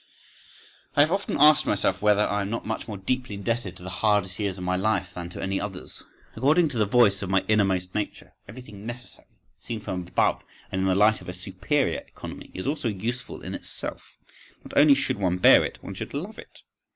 I have often asked myself whether I am not much more deeply indebted to the hardest years of my life than to any others. According to the voice of my innermost nature, everything necessary, seen from above and in the light of a superior economy, is also useful in itself—not only should one bear it, one should love it.